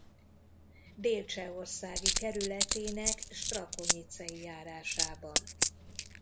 Dél-Csehországi kerületének Strakonicei járásában.